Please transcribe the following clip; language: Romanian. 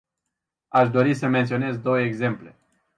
Aș dori să menționez două exemple.